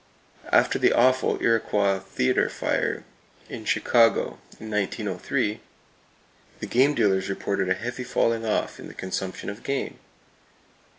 After the awful Iroquois Theatre fire in Chicago, in 1903, the game dealers reported a heavy falling off in the consumption of game!